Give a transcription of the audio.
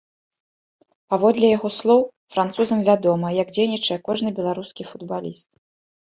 Паводле яго слоў, французам вядома, як дзейнічае кожны беларускі футбаліст.